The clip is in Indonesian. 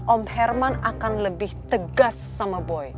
om herman akan lebih tegas sama boy